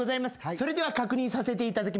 それでは確認させていただきます。